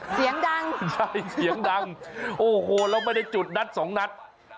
เสียงดังใช่เสียงดังโอ้โหเราไม่ได้จุดนัดสองนัด